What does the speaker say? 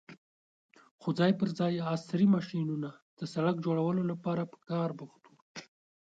خو ځای پر ځای عصرې ماشينونه د سړک جوړولو لپاره په کار بوخت وو.